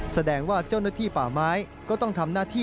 แสดงว่าเจ้าหน้าที่ป่าไม้ก็ต้องทำหน้าที่